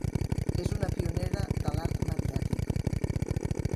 És una pionera de l'art mediàtic.